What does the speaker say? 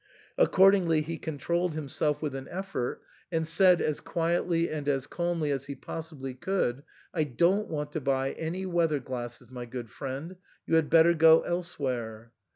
Accordingly, he controlled himself with THE SAND'MAN. 197 an effort, and said, as quietly and as calmly as he pos sibly couldy " I don't want to buy any weather glasses, my good friend ; you had better go elsewhere."